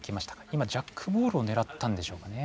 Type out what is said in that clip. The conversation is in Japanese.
今ジャックボールをねらったんでしょうかね。